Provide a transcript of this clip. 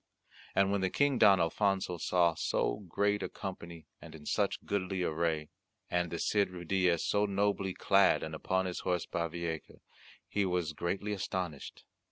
And when the King Don Alfonso saw so great a company and in such goodly array, and the Cid Ruydiez so nobly clad and upon his horse Bavieca, he was greatly astonished.